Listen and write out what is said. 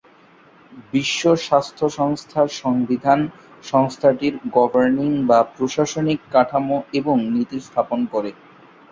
বিশ্ব স্বাস্থ্য সংস্থার সংবিধান, সংস্থাটির গভর্নিং বা প্রশাসনিক কাঠামো এবং নীতি স্থাপন করে।